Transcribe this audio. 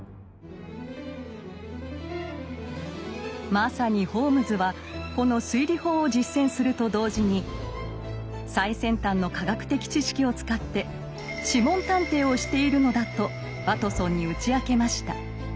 まさにホームズはこの推理法を実践すると同時に最先端の科学的知識を使って「諮問探偵」をしているのだとワトソンに打ち明けました。